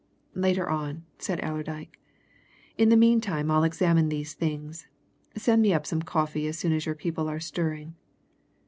"Later on," said Allerdyke. "In the meantime, I'll examine these things. Send me up some coffee as soon as your people are stirring."